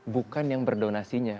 bukan yang berdonasinya